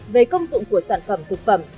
về công dụng của sản phẩm thực phẩm